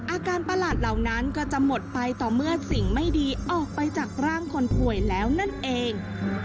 ประหลาดเหล่านั้นก็จะหมดไปต่อเมื่อสิ่งไม่ดีออกไปจากร่างคนป่วยแล้วนั่นเอง